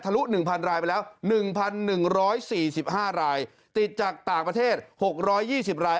ลุ๑๐๐รายไปแล้ว๑๑๔๕รายติดจากต่างประเทศ๖๒๐ราย